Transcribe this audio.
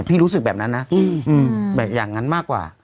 รู้สึกแบบนั้นนะแบบอย่างนั้นมากกว่า